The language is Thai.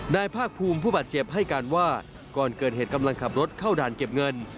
ภาคภูมิผู้บาดเจ็บให้การว่าก่อนเกิดเหตุกำลังขับรถเข้าด่านเก็บเงิน